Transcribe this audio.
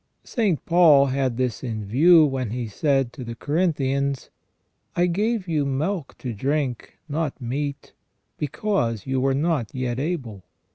St. Paul had this in view when he said to the Corinthians :" I gave you milk to drink, not meat, because you were not yet able